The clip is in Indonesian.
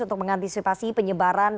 untuk mengantisipasi penyebaran